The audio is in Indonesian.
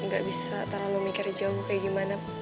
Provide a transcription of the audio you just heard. nggak bisa terlalu mikir jauh kayak gimana